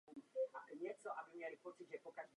Co se oproti dřívějšku změnilo?